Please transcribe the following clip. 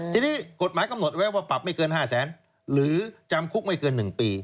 ทีนี้กฎหมายกำหนดไว้ว่าปรับไม่เกิน๕แสนหรือจำคุกไม่เกิน๑ปี